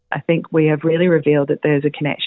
saya pikir kita telah menunjukkan bahwa ada koneksi